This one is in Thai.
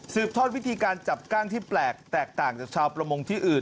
ทอดวิธีการจับกั้งที่แปลกแตกต่างจากชาวประมงที่อื่น